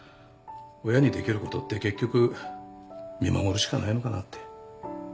親にできることって結局見守るしかないのかなって。